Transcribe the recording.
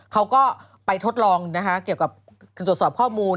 เขาก็ไปทดลองนะคะเกี่ยวกับตรวจสอบข้อมูล